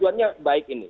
tujuannya baik ini